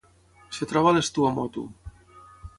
Es troba a les Tuamotu.